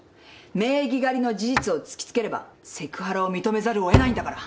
名義借りの事実を突きつければセクハラを認めざるをえないんだから。